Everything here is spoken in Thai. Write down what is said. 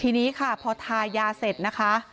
ทีนี้ค่ะพอทายาเสร็จนะคะ